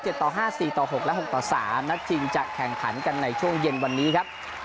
ต่อห้าสี่ต่อหกและหกต่อสามนัดชิงจะแข่งขันกันในช่วงเย็นวันนี้ครับ